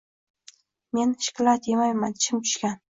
Men ishkalad yemayman, tishim tushgan.